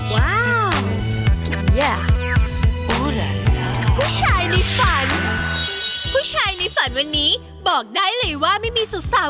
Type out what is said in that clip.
ผู้ชายในฝันผู้ชายในฝันวันนี้บอกได้เลยว่าไม่มีสาว